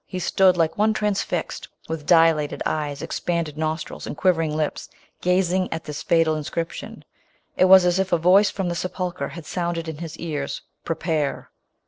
•od, like one transfixed, with dilated eyes, expanded nostrils, and quivering lips, gazing at thin fatal in scription. It was as if a voice from the sepulchre had sounded in his ears, " Prepare